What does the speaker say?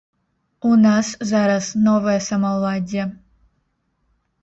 У нас зараз новае самаўладдзе.